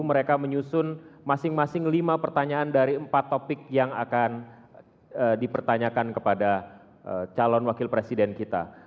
mereka menyusun masing masing lima pertanyaan dari empat topik yang akan dipertanyakan kepada calon wakil presiden kita